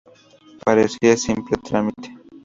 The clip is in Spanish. Parecía simple trámite.